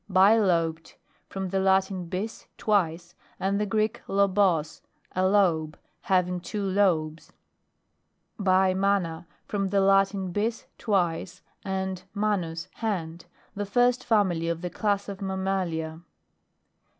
BILOBED From the Latin, bis, twice, and the Greek lobos, a lobe. Having two lobes. BIMANA. From the Latin, bis, twice, and manus, hand. The first family of the class of mammalia.